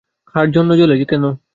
কার জন্য জ্বলে, কেন?